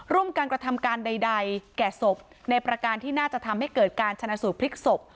ร่วมการกระทำการใดแก่ศพในประการที่น่าจะทำให้เกิดการชนะสูตรพลิกศพ